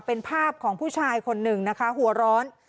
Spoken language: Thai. เป็นภาพของผู้ชายคนหนึ่งนะคะหัวร้อน